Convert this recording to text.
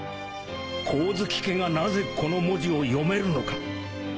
光月家がなぜこの文字を読めるのか